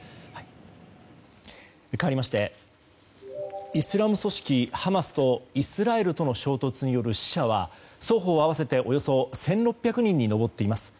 かわりましてイスラム組織ハマスとイスラエルとの衝突による死者は双方合わせておよそ１６００人に上っています。